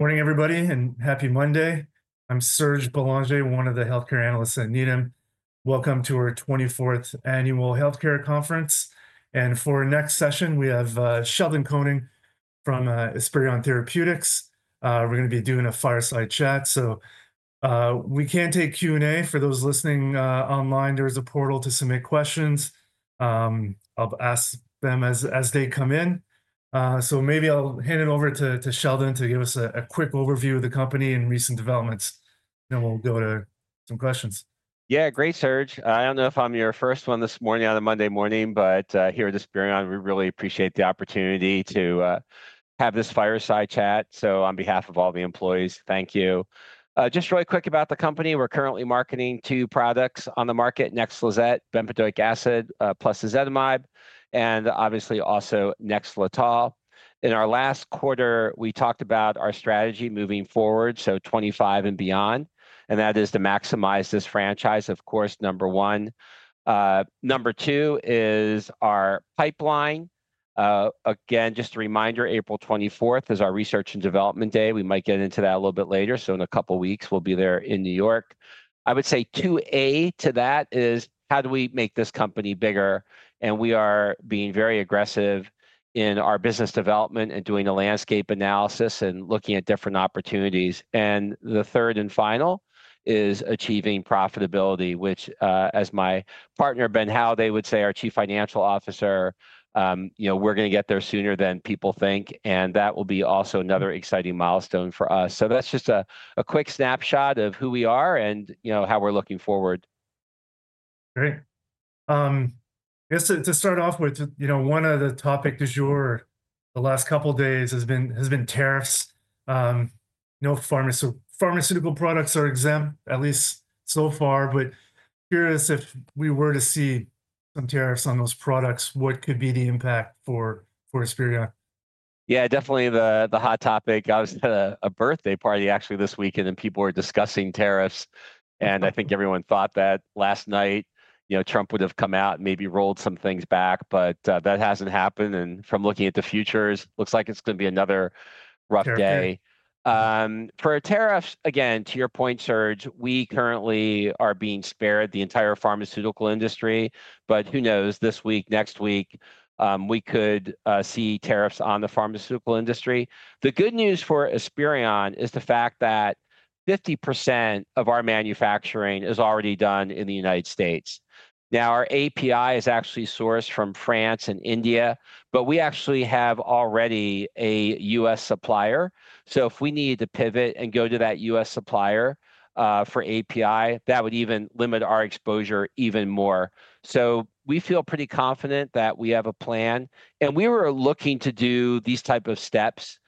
Morning, everybody, and happy Monday. I'm Serge Belanger, one of the healthcare analysts at Needham. Welcome to our 24th Annual Healthcare Conference. For our next session, we have Sheldon Koenig from Esperion Therapeutics. We're going to be doing a fireside chat. We can take Q&A. For those listening online, there is a portal to submit questions. I'll ask them as they come in. Maybe I'll hand it over to Sheldon to give us a quick overview of the company and recent developments, and then we'll go to some questions. Yeah, great, Serge. I don't know if I'm your first one this morning on a Monday morning, but here at Esperion, we really appreciate the opportunity to have this fireside chat. On behalf of all the employees, thank you. Just really quick about the company. We're currently marketing two products on the market: NEXLIZET, Bempedoic acid plus Ezetimibe, and obviously also NEXLETOL. In our last quarter, we talked about our strategy moving forward, so 2025 and beyond, and that is to maximize this franchise, of course, number one. Number two is our pipeline. Again, just a reminder, April 24 is our Research and Development Day. We might get into that a little bit later. In a couple of weeks, we'll be there in New York. I would say two A to that is how do we make this company bigger? We are being very aggressive in our business development and doing a landscape analysis and looking at different opportunities. The third and final is achieving profitability, which, as my partner, Ben Halladay, would say, our Chief Financial Officer, you know, we're going to get there sooner than people think. That will be also another exciting milestone for us. That is just a quick snapshot of who we are and how we're looking forward. Great. Just to start off with, you know, one of the topic du jour the last couple of days has been tariffs. No pharmaceutical products are exempt, at least so far, but curious if we were to see some tariffs on those products, what could be the impact for Esperion? Yeah, definitely the hot topic. I was at a birthday party, actually, this weekend, and people were discussing tariffs. I think everyone thought that last night, you know, Trump would have come out and maybe rolled some things back, but that hasn't happened. From looking at the futures, it looks like it's going to be another rough day. For tariffs, again, to your point, Serge, we currently are being spared the entire pharmaceutical industry, but who knows? This week, next week, we could see tariffs on the pharmaceutical industry. The good news for Esperion is the fact that 50% of our manufacturing is already done in the United States. Now, our API is actually sourced from France and India, but we actually have already a U.S. supplier. If we need to pivot and go to that U.S. Supplier for API, that would even limit our exposure even more. We feel pretty confident that we have a plan. We were looking to do these types of steps,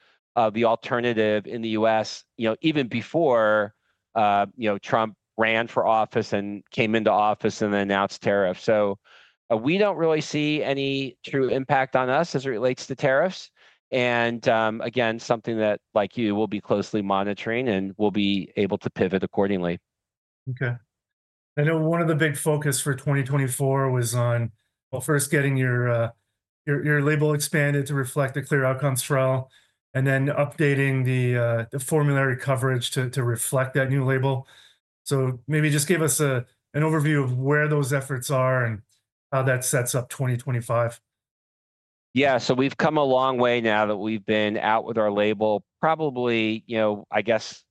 the alternative in the U.S., you know, even before, you know, Trump ran for office and came into office and announced tariffs. We do not really see any true impact on us as it relates to tariffs. Again, something that, like you, we will be closely monitoring and we will be able to pivot accordingly. Okay. I know one of the big focuses for 2024 was on, well, first getting your label expanded to reflect the Clear Outcomes Trial and then updating the formulary coverage to reflect that new label. Maybe just give us an overview of where those efforts are and how that sets up 2025. Yeah, so we've come a long way now that we've been out with our label, probably, you know, I guess,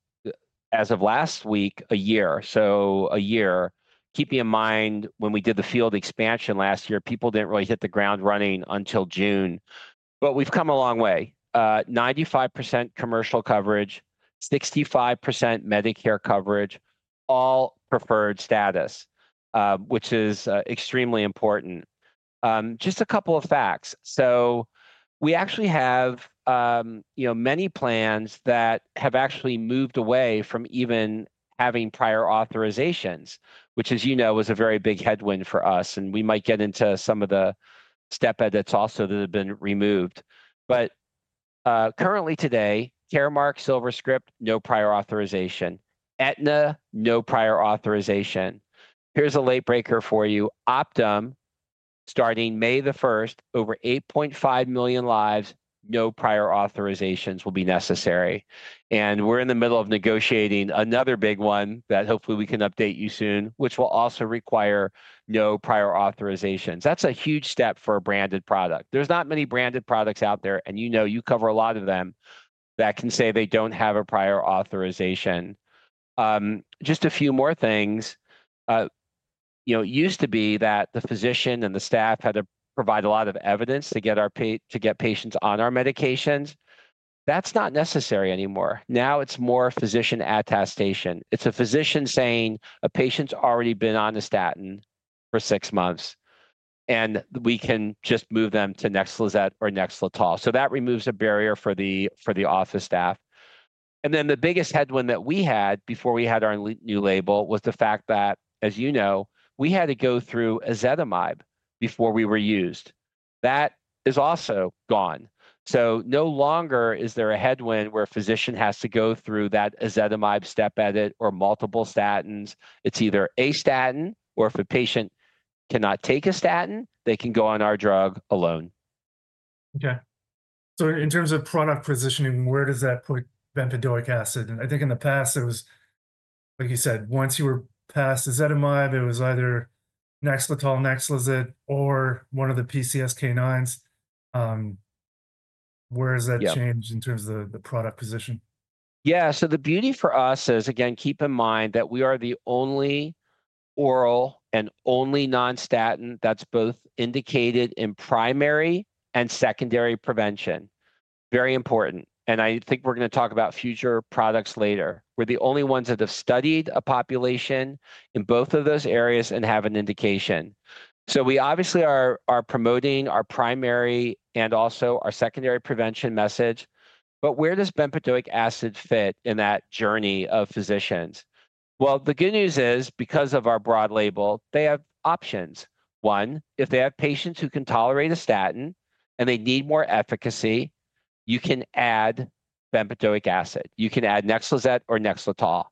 as of last week, a year. So a year. Keeping in mind when we did the field expansion last year, people didn't really hit the ground running until June. We've come a long way. 95% commercial coverage, 65% Medicare coverage, all preferred status, which is extremely important. Just a couple of facts. We actually have, you know, many plans that have actually moved away from even having prior authorizations, which, as you know, was a very big headwind for us. We might get into some of the step edits also that have been removed. Currently today, Caremark, SilverScript, no prior authorization. Aetna, no prior authorization. Here's a late breaker for you. Optum, starting May the 1st, over 8.5 million lives, no prior authorizations will be necessary. We're in the middle of negotiating another big one that hopefully we can update you soon, which will also require no prior authorizations. That's a huge step for a branded product. There's not many branded products out there, and you know, you cover a lot of them that can say they don't have a prior authorization. Just a few more things. You know, it used to be that the physician and the staff had to provide a lot of evidence to get patients on our medications. That's not necessary anymore. Now it's more physician attestation. It's a physician saying a patient's already been on a statin for six months, and we can just move them to NEXLIZET or NEXLETOL. That removes a barrier for the office staff. The biggest headwind that we had before we had our new label was the fact that, as you know, we had to go through Ezetimibe before we were used. That is also gone. No longer is there a headwind where a physician has to go through that Ezetimibe step edit or multiple statins. It's either a statin, or if a patient cannot take a statin, they can go on our drug alone. Okay. In terms of product positioning, where does that put Bempedoic acid? I think in the past, it was, like you said, once you were past Ezetimibe, it was either NEXLETOL, NEXLIZET, or one of the PCSK9s. Where has that changed in terms of the product position? Yeah, so the beauty for us is, again, keep in mind that we are the only oral and only non-statin that's both indicated in primary and secondary prevention. Very important. I think we're going to talk about future products later. We're the only ones that have studied a population in both of those areas and have an indication. We obviously are promoting our primary and also our secondary prevention message. Where does Bempedoic acid fit in that journey of physicians? The good news is, because of our broad label, they have options. One, if they have patients who can tolerate a statin and they need more efficacy, you can add Bempedoic acid. You can add NEXLIZET or NEXLETOL.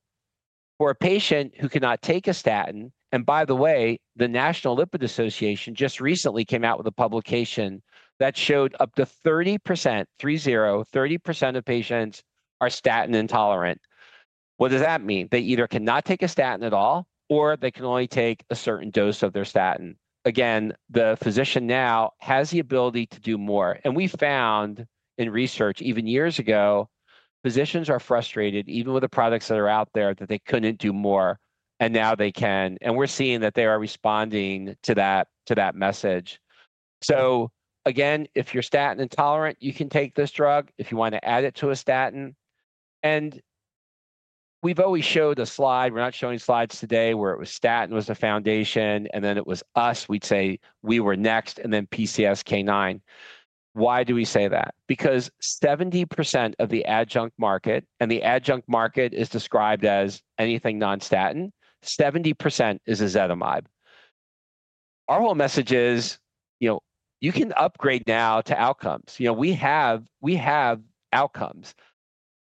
For a patient who cannot take a statin, and by the way, the National Lipid Association just recently came out with a publication that showed up to 30%, three-zero, 30% of patients are statin intolerant. What does that mean? They either cannot take a statin at all, or they can only take a certain dose of their statin. The physician now has the ability to do more. We found in research, even years ago, physicians are frustrated, even with the products that are out there, that they could not do more, and now they can. We are seeing that they are responding to that message. If you are statin intolerant, you can take this drug if you want to add it to a statin. We have always showed a slide. We are not showing slides today where it was statin was the foundation, and then it was us. We'd say we were next, and then PCSK9. Why do we say that? Because 70% of the adjunct market, and the adjunct market is described as anything non-statin, 70% is Ezetimibe. Our whole message is, you know, you can upgrade now to outcomes. You know, we have outcomes.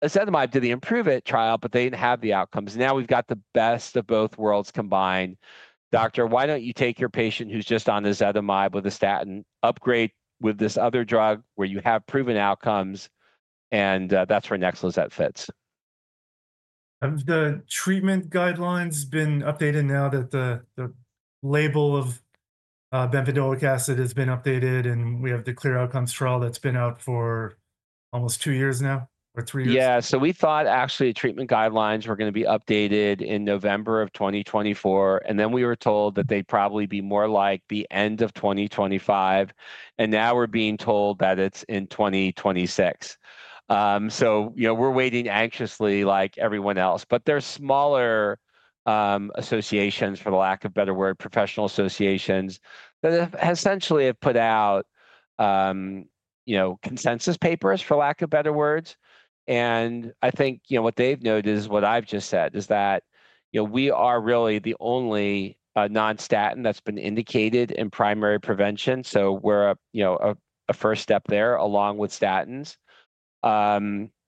Ezetimibe did the IMPROVE-IT trial, but they didn't have the outcomes. Now we've got the best of both worlds combined. Doctor, why don't you take your patient who's just on Ezetimibe with a statin, upgrade with this other drug where you have proven outcomes, and that's where NEXLIZET fits. Have the treatment guidelines been updated now that the label of Bempedoic acid has been updated, and we have the Clear Outcomes Trial that's been out for almost two years now or three years? Yeah, so we thought actually treatment guidelines were going to be updated in November of 2024, and then we were told that they'd probably be more like the end of 2025, and now we're being told that it's in 2026. You know, we're waiting anxiously like everyone else, but there's smaller associations, for lack of a better word, professional associations that essentially have put out, you know, consensus papers, for lack of better words. I think, you know, what they've noted is what I've just said, is that, you know, we are really the only non-statin that's been indicated in primary prevention. We're a, you know, a first step there along with statins. You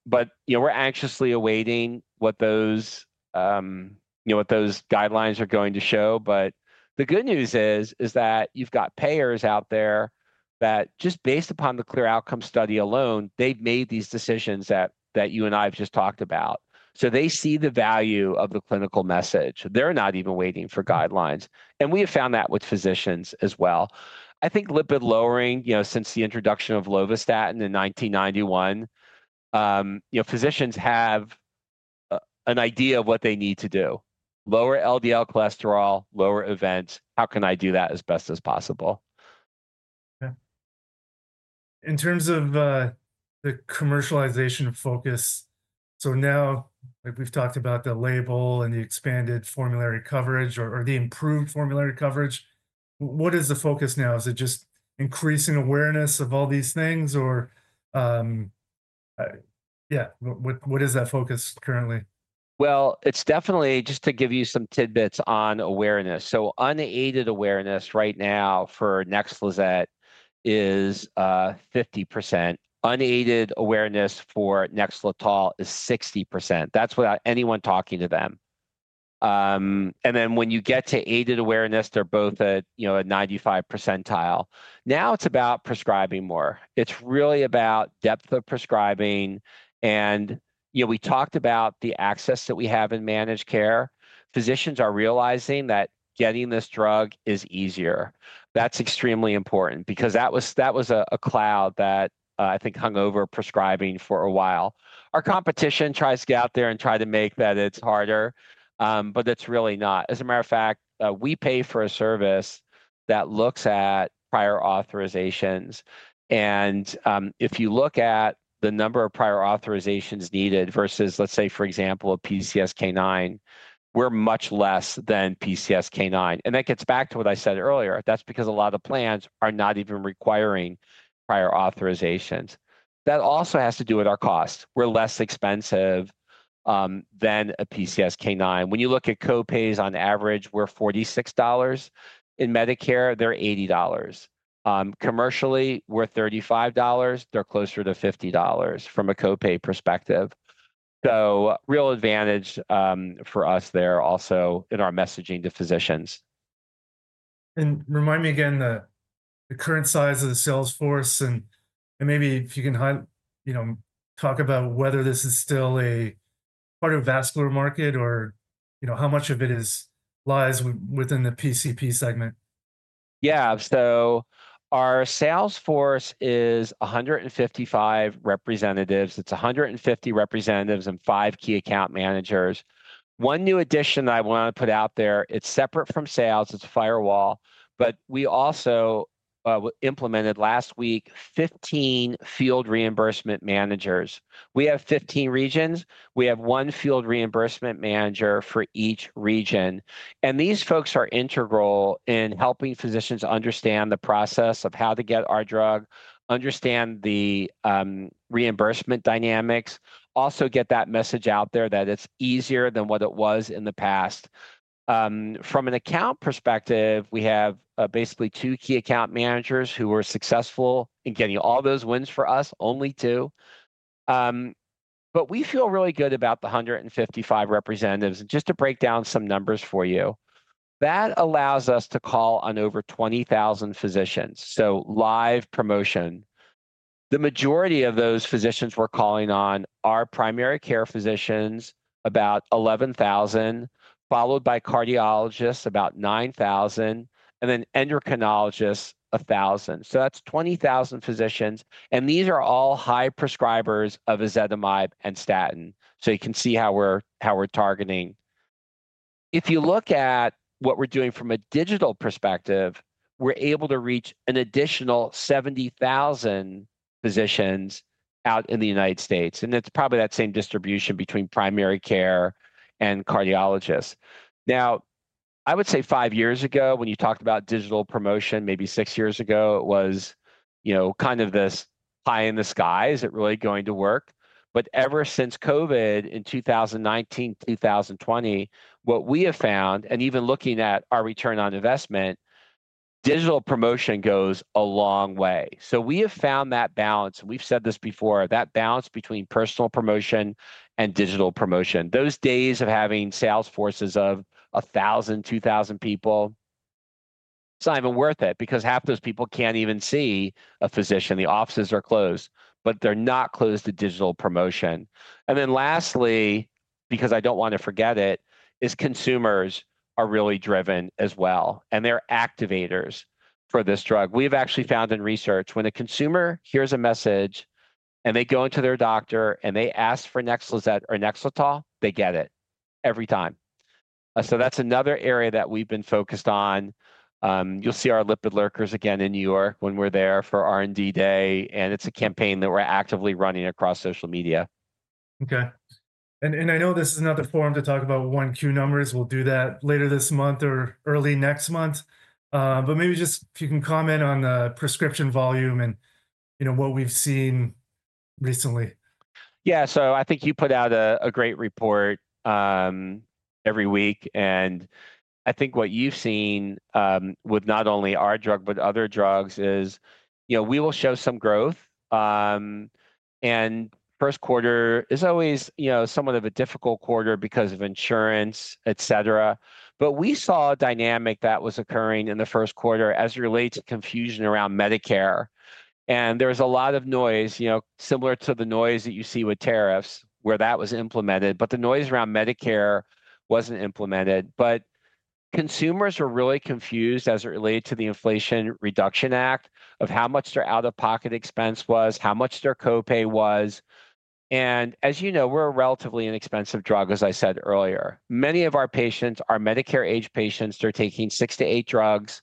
know, we're anxiously awaiting what those, you know, what those guidelines are going to show. The good news is, is that you've got payers out there that just based upon the Clear Outcomes Study alone, they've made these decisions that you and I have just talked about. They see the value of the clinical message. They're not even waiting for guidelines. We have found that with physicians as well. I think lipid lowering, you know, since the introduction of lovastatin in 1991, you know, physicians have an idea of what they need to do: lower LDL cholesterol, lower events. How can I do that as best as possible? Okay. In terms of the commercialization focus, like we've talked about the label and the expanded formulary coverage or the improved formulary coverage, what is the focus now? Is it just increasing awareness of all these things? Yeah, what is that focus currently? It is definitely, just to give you some tidbits on awareness. Unaided awareness right now for NEXLIZET is 50%. Unaided awareness for NEXLETOL is 60%. That is without anyone talking to them. When you get to aided awareness, they are both at a 95% percentile. Now it is about prescribing more. It is really about depth of prescribing. You know, we talked about the access that we have in managed care. Physicians are realizing that getting this drug is easier. That is extremely important because that was a cloud that I think hung over prescribing for a while. Our competition tries to get out there and try to make that it is harder, but it is really not. As a matter of fact, we pay for a service that looks at prior authorizations. If you look at the number of prior authorizations needed versus, let's say, for example, a PCSK9, we're much less than PCSK9. That gets back to what I said earlier. That's because a lot of plans are not even requiring prior authorizations. That also has to do with our cost. We're less expensive than a PCSK9. When you look at copays, on average, we're $46. In Medicare, they're $80. Commercially, we're $35. They're closer to $50 from a copay perspective. Real advantage for us there also in our messaging to physicians. Remind me again the current size of the sales force. Maybe if you can talk about whether this is still a part of the vascular market or, you know, how much of it lies within the PCP segment. Yeah, so our sales force is 155 representatives. It's 150 representatives and five key account managers. One new addition that I want to put out there, it's separate from sales. It's a firewall. We also implemented last week 15 field reimbursement managers. We have 15 regions. We have one field reimbursement manager for each region. These folks are integral in helping physicians understand the process of how to get our drug, understand the reimbursement dynamics, also get that message out there that it's easier than what it was in the past. From an account perspective, we have basically two key account managers who were successful in getting all those wins for us, only two. We feel really good about the 155 representatives. Just to break down some numbers for you, that allows us to call on over 20,000 physicians. So live promotion. The majority of those physicians we're calling on are primary care physicians, about 11,000, followed by cardiologists, about 9,000, and then endocrinologists, 1,000. That is 20,000 physicians. These are all high prescribers of Ezetimibe and statin. You can see how we're targeting. If you look at what we're doing from a digital perspective, we're able to reach an additional 70,000 physicians out in the United States. It is probably that same distribution between primary care and cardiologists. I would say five years ago, when you talked about digital promotion, maybe six years ago, it was, you know, kind of this pie in the sky. Is it really going to work? Ever since COVID in 2019, 2020, what we have found, and even looking at our return on investment, digital promotion goes a long way. We have found that balance. We've said this before, that balance between personal promotion and digital promotion. Those days of having sales forces of 1,000, 2,000 people, it's not even worth it because half those people can't even see a physician. The offices are closed, but they're not closed to digital promotion. Lastly, because I don't want to forget it, consumers are really driven as well. They're activators for this drug. We've actually found in research when a consumer hears a message and they go into their doctor and they ask for NEXLIZET or NEXLETOL, they get it every time. That's another area that we've been focused on. You'll see our Lipid Lurkers again in New York when we're there for R&D Day. It's a campaign that we're actively running across social media. Okay. I know this is not the forum to talk about one-queue numbers. We'll do that later this month or early next month. Maybe just if you can comment on the prescription volume and, you know, what we've seen recently. Yeah, I think you put out a great report every week. I think what you've seen with not only our drug, but other drugs is, you know, we will show some growth. First quarter is always, you know, somewhat of a difficult quarter because of insurance, et cetera. We saw a dynamic that was occurring in the first quarter as it relates to confusion around Medicare. There was a lot of noise, you know, similar to the noise that you see with tariffs where that was implemented, but the noise around Medicare was not implemented. Consumers are really confused as it relates to the Inflation Reduction Act of how much their out-of-pocket expense was, how much their copay was. As you know, we're a relatively inexpensive drug, as I said earlier. Many of our patients are Medicare-age patients. They're taking six to eight drugs.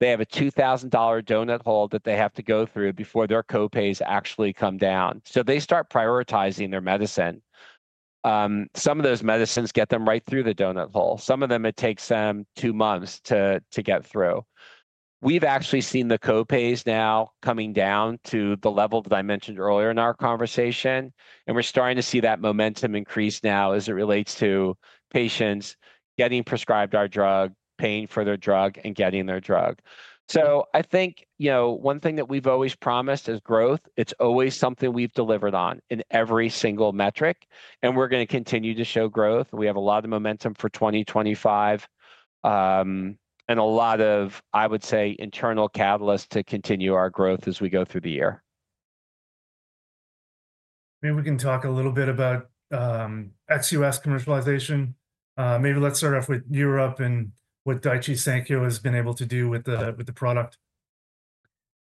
They have a $2,000 doughnut hole that they have to go through before their copays actually come down. They start prioritizing their medicine. Some of those medicines get them right through the doughnut hole. Some of them, it takes them two months to get through. We've actually seen the copays now coming down to the level that I mentioned earlier in our conversation. We're starting to see that momentum increase now as it relates to patients getting prescribed our drug, paying for their drug, and getting their drug. I think, you know, one thing that we've always promised is growth. It's always something we've delivered on in every single metric. We're going to continue to show growth. We have a lot of momentum for 2025 and a lot of, I would say, internal catalysts to continue our growth as we go through the year. Maybe we can talk a little bit about ex-U.S. commercialization. Maybe let's start off with Europe and what Daiichi Sankyo has been able to do with the product.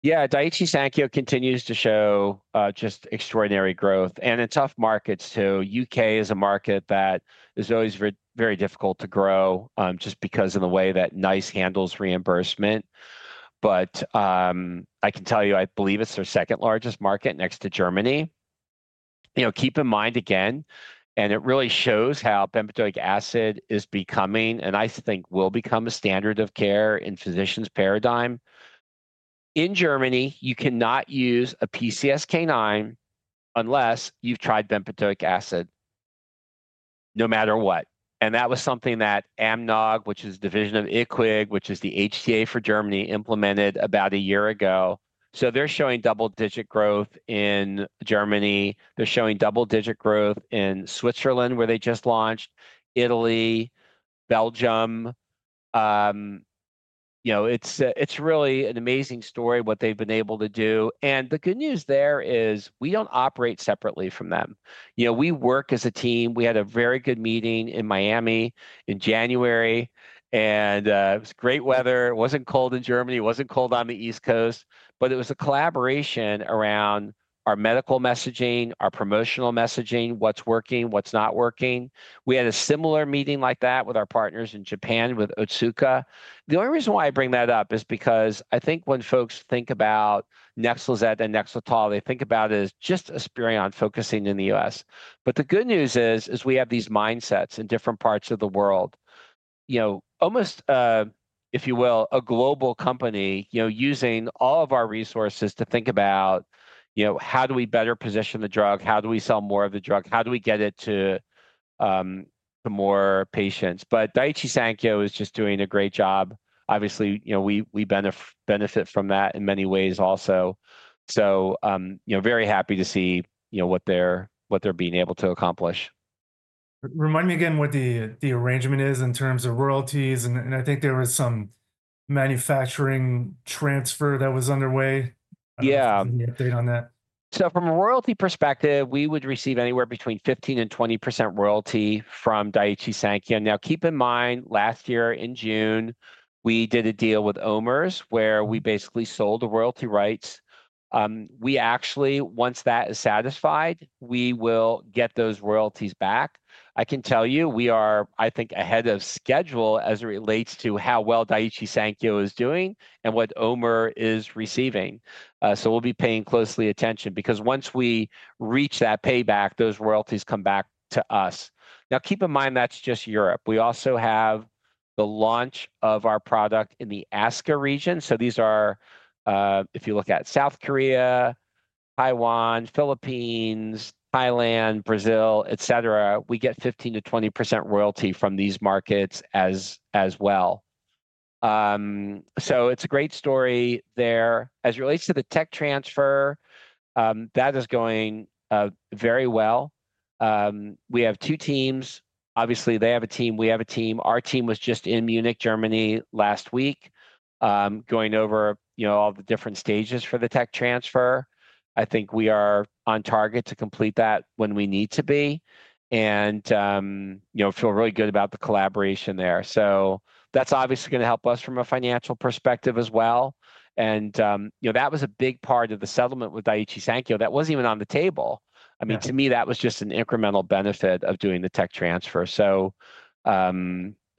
Yeah, Daiichi Sankyo continues to show just extraordinary growth. In tough markets too, the U.K. is a market that is always very difficult to grow just because of the way that NICE handles reimbursement. I can tell you, I believe it's their second largest market next to Germany. You know, keep in mind again, and it really shows how Bempedoic acid is becoming, and I think will become a standard of care in physicians' paradigm. In Germany, you cannot use a PCSK9 unless you've tried Bempedoic acid, no matter what. That was something that AMNOG, which is a division of IQWiG, which is the HCA for Germany, implemented about a year ago. They're showing double-digit growth in Germany. They're showing double-digit growth in Switzerland, where they just launched, Italy, Belgium. You know, it's really an amazing story what they've been able to do. The good news there is we do not operate separately from them. You know, we work as a team. We had a very good meeting in Miami in January. It was great weather. It was not cold in Germany. It was not cold on the East Coast. It was a collaboration around our medical messaging, our promotional messaging, what is working, what is not working. We had a similar meeting like that with our partners in Japan with Otsuka. The only reason why I bring that up is because I think when folks think about NEXLIZET and NEXLETOL, they think about it as just Esperion focusing in the U.S. The good news is, we have these mindsets in different parts of the world. You know, almost, if you will, a global company, you know, using all of our resources to think about, you know, how do we better position the drug? How do we sell more of the drug? How do we get it to more patients? Daiichi Sankyo is just doing a great job. Obviously, you know, we benefit from that in many ways also. You know, very happy to see, you know, what they're being able to accomplish. Remind me again what the arrangement is in terms of royalties. I think there was some manufacturing transfer that was underway. Yeah. Any update on that? From a royalty perspective, we would receive anywhere between 15%-20% royalty from Daiichi Sankyo. Now, keep in mind, last year in June, we did a deal with OMERS where we basically sold the royalty rights. We actually, once that is satisfied, we will get those royalties back. I can tell you, we are, I think, ahead of schedule as it relates to how well Daiichi Sankyo is doing and what OMERS is receiving. We will be paying closely attention because once we reach that payback, those royalties come back to us. Now, keep in mind, that's just Europe. We also have the launch of our product in the ASEAN region. If you look at South Korea, Taiwan, Philippines, Thailand, Brazil, et cetera, we get 15%-20% royalty from these markets as well. It's a great story there. As it relates to the tech transfer, that is going very well. We have two teams. Obviously, they have a team. We have a team. Our team was just in Munich, Germany last week, going over, you know, all the different stages for the tech transfer. I think we are on target to complete that when we need to be. You know, feel really good about the collaboration there. That is obviously going to help us from a financial perspective as well. You know, that was a big part of the settlement with Daiichi Sankyo. That was not even on the table. I mean, to me, that was just an incremental benefit of doing the tech transfer.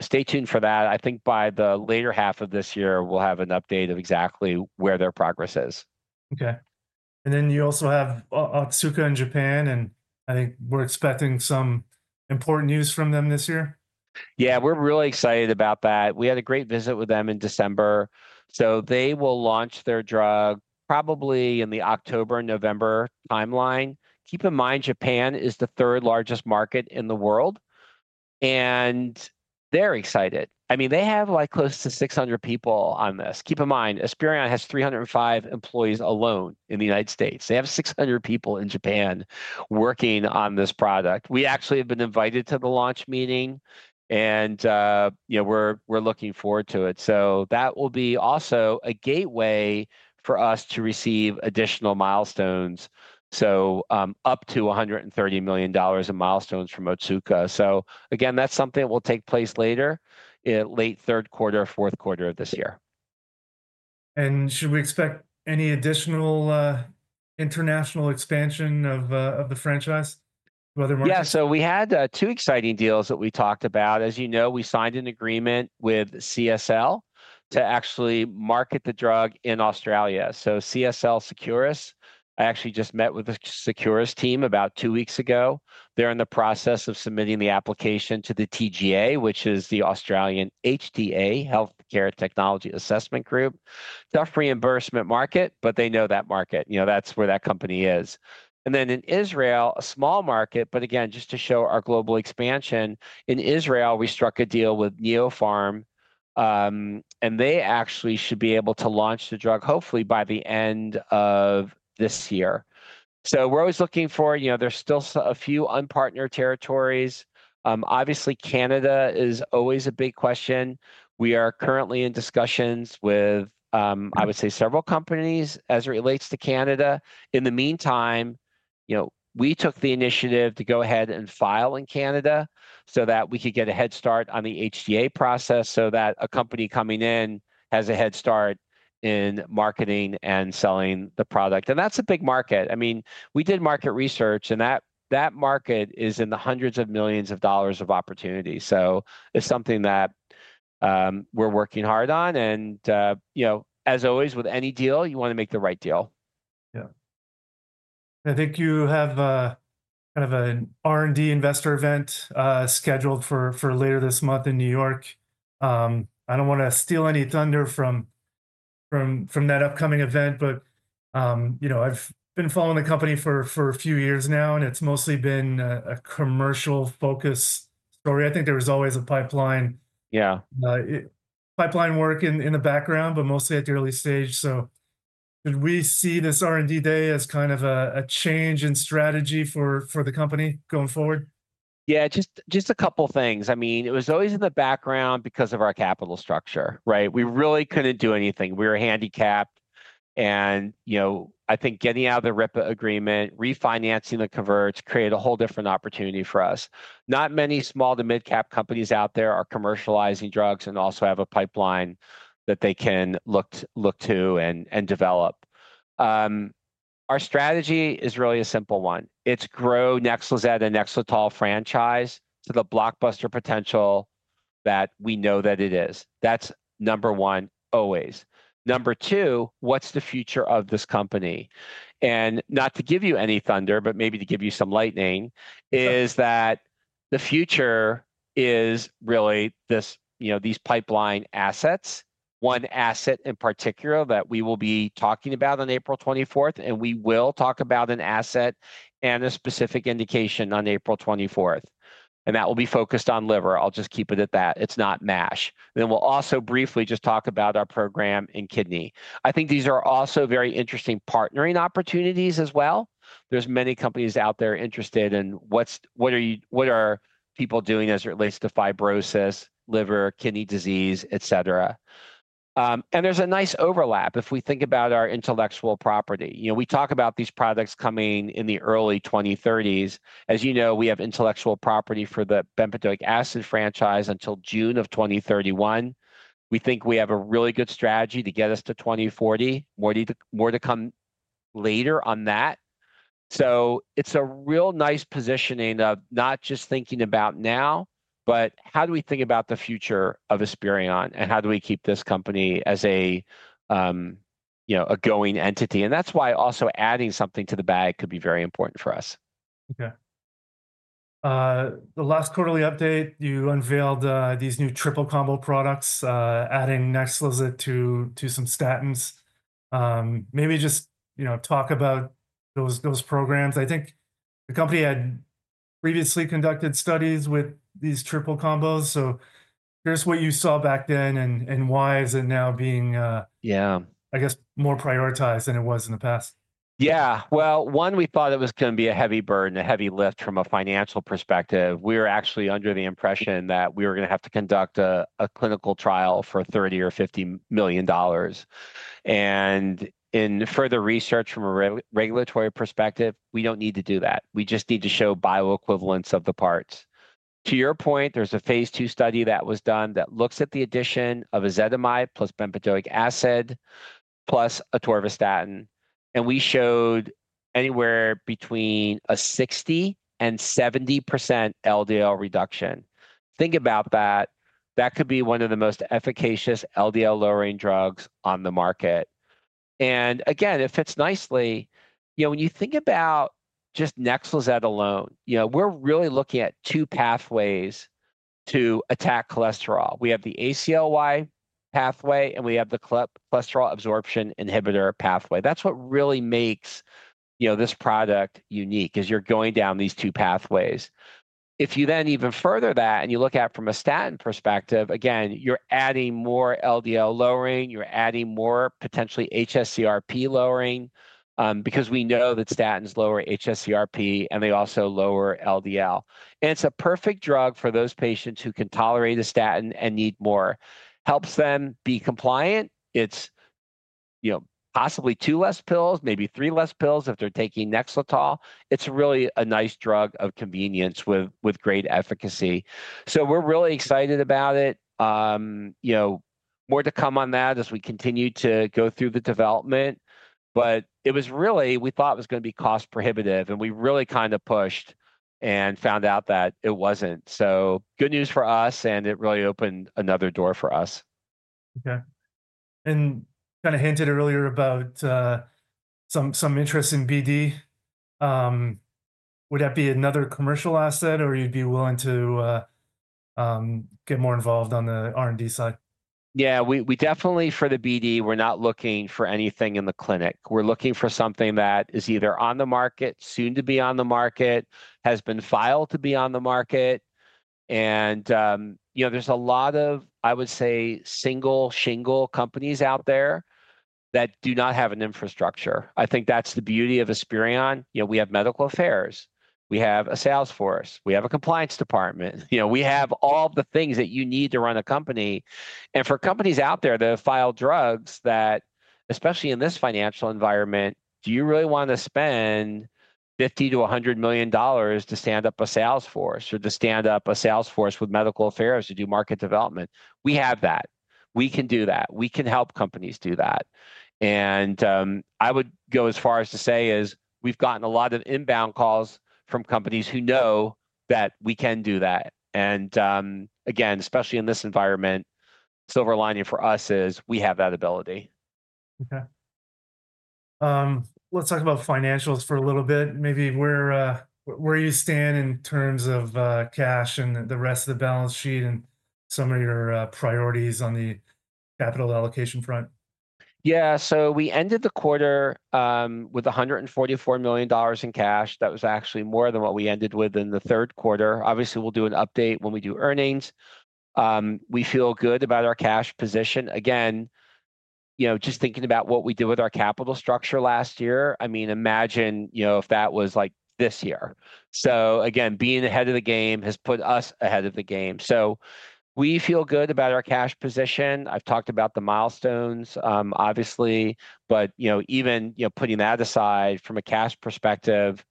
Stay tuned for that. I think by the later half of this year, we will have an update of exactly where their progress is. Okay. You also have Otsuka in Japan. I think we're expecting some important news from them this year. Yeah, we're really excited about that. We had a great visit with them in December. They will launch their drug probably in the October and November timeline. Keep in mind, Japan is the third largest market in the world. And they're excited. I mean, they have like close to 600 people on this. Keep in mind, Esperion has 305 employees alone in the United States. They have 600 people in Japan working on this product. We actually have been invited to the launch meeting. You know, we're looking forward to it. That will be also a gateway for us to receive additional milestones. Up to $130 million in milestones from Otsuka. Again, that's something that will take place later, late third quarter, fourth quarter of this year. Should we expect any additional international expansion of the franchise to other markets? Yeah, so we had two exciting deals that we talked about. As you know, we signed an agreement with CSL Seqirus to actually market the drug in Australia. So CSL Seqirus, I actually just met with the Seqirus team about two weeks ago. They're in the process of submitting the application to the TGA, which is the Australian HTA, Healthcare Technology Assessment Group, stuff reimbursement market, but they know that market. You know, that's where that company is. And then in Israel, a small market, but again, just to show our global expansion. In Israel, we struck a deal with Neopharm, and they actually should be able to launch the drug hopefully by the end of this year. So we're always looking for, you know, there's still a few unpartnered territories. Obviously, Canada is always a big question. We are currently in discussions with, I would say, several companies as it relates to Canada. In the meantime, you know, we took the initiative to go ahead and file in Canada so that we could get a head start on the HTA process so that a company coming in has a head start in marketing and selling the product. That is a big market. I mean, we did market research, and that market is in the hundreds of millions of dollars of opportunity. It is something that we are working hard on. You know, as always with any deal, you want to make the right deal. Yeah. I think you have kind of an R&D investor event scheduled for later this month in New York. I do not want to steal any thunder from that upcoming event, but, you know, I've been following the company for a few years now, and it's mostly been a commercial-focused story. I think there was always a pipeline. Yeah. Pipeline work in the background, but mostly at the early stage. Did we see this R&D day as kind of a change in strategy for the company going forward? Yeah, just a couple of things. I mean, it was always in the background because of our capital structure, right? We really could not do anything. We were handicapped. You know, I think getting out of the RIPA agreement, refinancing the converts created a whole different opportunity for us. Not many small to mid-cap companies out there are commercializing drugs and also have a pipeline that they can look to and develop. Our strategy is really a simple one. It is grow NEXLIZET and NEXLETOL franchise to the blockbuster potential that we know that it is. That is number one, always. Number two, what is the future of this company? Not to give you any thunder, but maybe to give you some lightning is that the future is really this, you know, these pipeline assets, one asset in particular that we will be talking about on April 24th. We will talk about an asset and a specific indication on April 24th. That will be focused on liver. I'll just keep it at that. It's not NASH. We will also briefly just talk about our program in kidney. I think these are also very interesting partnering opportunities as well. There are many companies out there interested in what people are doing as it relates to fibrosis, liver, kidney disease, et cetera. There is a nice overlap if we think about our intellectual property. You know, we talk about these products coming in the early 2030s. As you know, we have intellectual property for the Bempedoic acid franchise until June of 2031. We think we have a really good strategy to get us to 2040. More to come later on that. It's a real nice positioning of not just thinking about now, but how do we think about the future of Aspirin and how do we keep this company as a, you know, a going entity? That's why also adding something to the bag could be very important for us. Okay. The last quarterly update, you unveiled these new triple combo products, adding NEXLIZET to some statins. Maybe just, you know, talk about those programs. I think the company had previously conducted studies with these triple combos. So here's what you saw back then and why is it now being. Yeah. I guess more prioritized than it was in the past. Yeah. One, we thought it was going to be a heavy burden, a heavy lift from a financial perspective. We were actually under the impression that we were going to have to conduct a clinical trial for $30 or $50 million. In further research from a regulatory perspective, we do not need to do that. We just need to show bioequivalence of the parts. To your point, there is a phase two study that was done that looks at the addition of Ezetimibe plus Bempedoic acid plus atorvastatin. We showed anywhere between a 60%-70% LDL reduction. Think about that. That could be one of the most efficacious LDL-lowering drugs on the market. Again, it fits nicely. You know, when you think about just NEXLIZET alone, you know, we are really looking at two pathways to attack cholesterol. We have the ACLY pathway, and we have the cholesterol absorption inhibitor pathway. That's what really makes, you know, this product unique is you're going down these two pathways. If you then even further that and you look at it from a statin perspective, again, you're adding more LDL lowering. You're adding more potentially hsCRP lowering because we know that statins lower hsCRP and they also lower LDL. And it's a perfect drug for those patients who can tolerate a statin and need more. Helps them be compliant. It's, you know, possibly two less pills, maybe three less pills if they're taking NEXLETOL. It's really a nice drug of convenience with great efficacy. We are really excited about it. You know, more to come on that as we continue to go through the development. It was really, we thought it was going to be cost-prohibitive. We really kind of pushed and found out that it wasn't. Good news for us. It really opened another door for us. Okay. You kind of hinted earlier about some interest in BD. Would that be another commercial asset or you'd be willing to get more involved on the R&D side? Yeah, we definitely, for the BD, we're not looking for anything in the clinic. We're looking for something that is either on the market, soon to be on the market, has been filed to be on the market. You know, there's a lot of, I would say, single shingle companies out there that do not have an infrastructure. I think that's the beauty of Esperion. You know, we have medical affairs. We have a sales force. We have a compliance department. You know, we have all the things that you need to run a company. For companies out there that have filed drugs that, especially in this financial environment, do you really want to spend $50-$100 million to stand up a sales force or to stand up a sales force with medical affairs to do market development? We have that. We can do that. We can help companies do that. I would go as far as to say is we've gotten a lot of inbound calls from companies who know that we can do that. Again, especially in this environment, the silver lining for us is we have that ability. Okay. Let's talk about financials for a little bit. Maybe where you stand in terms of cash and the rest of the balance sheet and some of your priorities on the capital allocation front. Yeah, so we ended the quarter with $144 million in cash. That was actually more than what we ended with in the third quarter. Obviously, we'll do an update when we do earnings. We feel good about our cash position. Again, you know, just thinking about what we did with our capital structure last year, I mean, imagine, you know, if that was like this year. Again, being ahead of the game has put us ahead of the game. We feel good about our cash position. I've talked about the milestones, obviously, but, you know, even, you know, putting that aside from a cash perspective,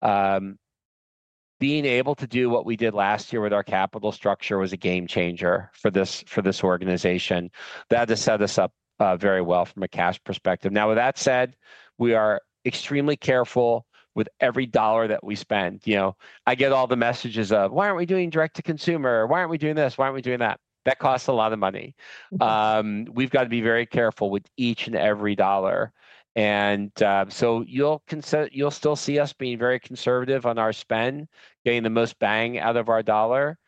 being able to do what we did last year with our capital structure was a game changer for this organization. That has set us up very well from a cash perspective. Now, with that said, we are extremely careful with every dollar that we spend. You know, I get all the messages of, "Why aren't we doing direct-to-consumer? Why aren't we doing this? Why aren't we doing that?" That costs a lot of money. We have to be very careful with each and every dollar. You will still see us being very conservative on our spend, getting the most bang out of our dollar.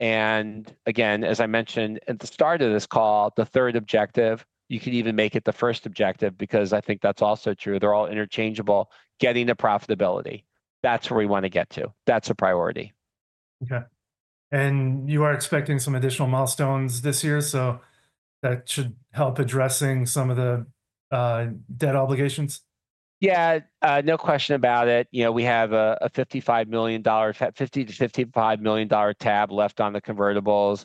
Again, as I mentioned at the start of this call, the third objective, you could even make it the first objective because I think that is also true. They are all interchangeable, getting to profitability. That is where we want to get to. That is a priority. Okay. You are expecting some additional milestones this year. That should help addressing some of the debt obligations. Yeah, no question about it. You know, we have a $50-$55 million tab left on the convertibles.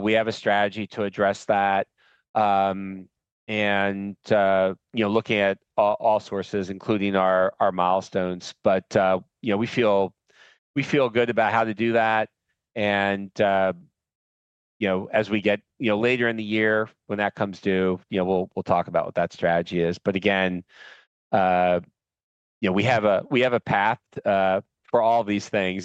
We have a strategy to address that. You know, looking at all sources, including our milestones. You know, we feel good about how to do that. You know, as we get later in the year when that comes due, you know, we'll talk about what that strategy is. Again, you know, we have a path for all these things.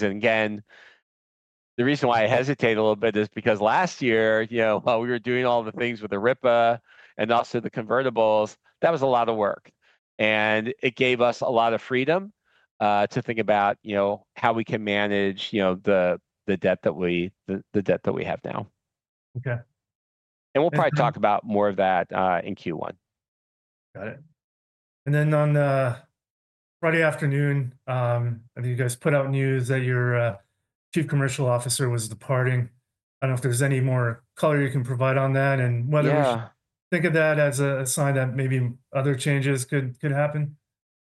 The reason why I hesitate a little bit is because last year, you know, while we were doing all the things with the RIPA and also the convertibles, that was a lot of work. It gave us a lot of freedom to think about, you know, how we can manage, you know, the debt that we have now. Okay. We'll probably talk about more of that in Q1. Got it. On Friday afternoon, I think you guys put out news that your Chief Commercial Officer was departing. I do not know if there is any more color you can provide on that and whether you think of that as a sign that maybe other changes could happen.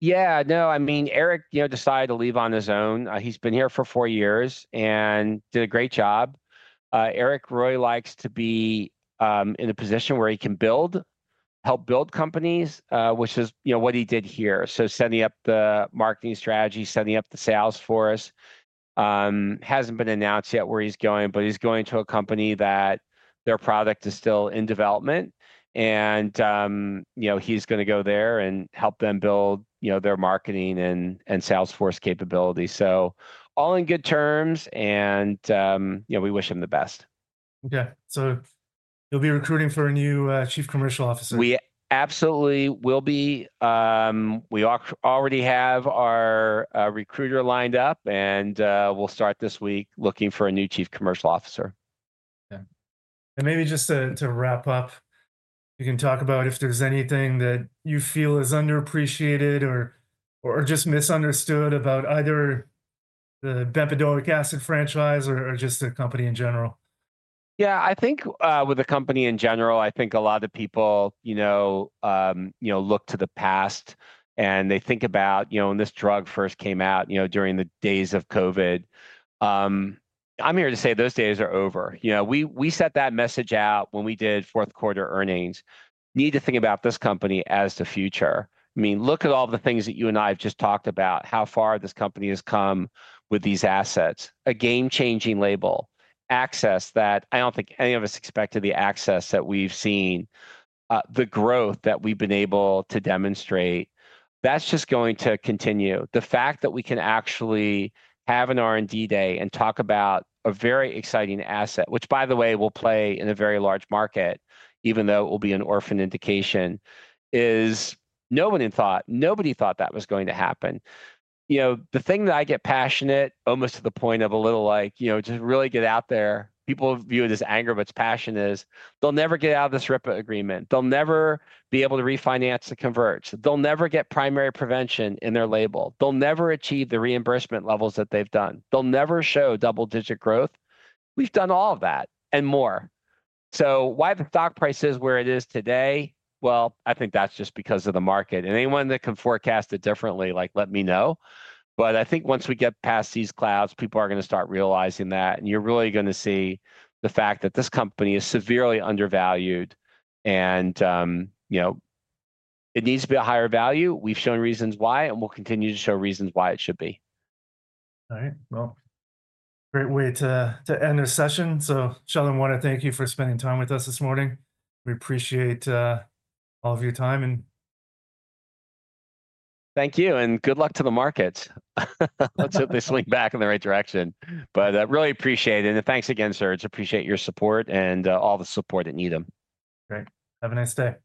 Yeah, no, I mean, Eric, you know, decided to leave on his own. He's been here for four years and did a great job. Eric really likes to be in a position where he can build, help build companies, which is, you know, what he did here. Setting up the marketing strategy, setting up the sales force. Hasn't been announced yet where he's going, but he's going to a company that their product is still in development. You know, he's going to go there and help them build, you know, their marketing and sales force capability. All in good terms. You know, we wish him the best. Okay. You'll be recruiting for a new Chief Commercial Officer. We absolutely will be. We already have our recruiter lined up, and we'll start this week looking for a new Chief Commercial Officer. Okay. Maybe just to wrap up, you can talk about if there is anything that you feel is underappreciated or just misunderstood about either the bempedoic acid franchise or just the company in general. Yeah, I think with the company in general, I think a lot of people, you know, you know, look to the past and they think about, you know, when this drug first came out, you know, during the days of COVID. I'm here to say those days are over. You know, we set that message out when we did fourth quarter earnings. Need to think about this company as the future. I mean, look at all the things that you and I have just talked about, how far this company has come with these assets, a game-changing label, access that I don't think any of us expected the access that we've seen, the growth that we've been able to demonstrate. That's just going to continue. The fact that we can actually have an R&D day and talk about a very exciting asset, which by the way, will play in a very large market, even though it will be an orphan indication, is no one had thought, nobody thought that was going to happen. You know, the thing that I get passionate almost to the point of a little like, you know, just really get out there. People view it as anger, but it's passion is they'll never get out of this RIPA agreement. They'll never be able to refinance the converts. They'll never get primary prevention in their label. They'll never achieve the reimbursement levels that they've done. They'll never show double-digit growth. We've done all of that and more. Why the stock price is where it is today? I think that's just because of the market. Anyone that can forecast it differently, like let me know. I think once we get past these clouds, people are going to start realizing that. You are really going to see the fact that this company is severely undervalued. You know, it needs to be a higher value. We have shown reasons why and we will continue to show reasons why it should be. All right. Great way to end this session. Sheldon, I want to thank you for spending time with us this morning. We appreciate all of your time. Thank you. Good luck to the markets. Let's hope they swing back in the right direction. I really appreciate it. Thanks again, sir. I just appreciate your support and all the support that Needham. Great. Have a nice day. You too.